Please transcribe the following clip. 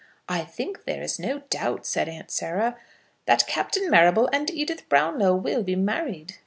"I think there is no doubt," said Aunt Sarah, "that Captain Marrable and Edith Brownlow will be married."